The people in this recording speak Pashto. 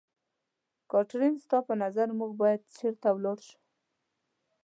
کاترین، ستا په نظر موږ باید چېرته ولاړ شو؟